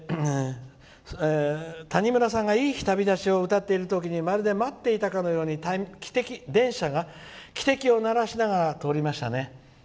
「谷村さんが「いい日旅立ち」を歌っている時にまるで待っていたかのように電車が汽笛を鳴らしながら通りましたね」。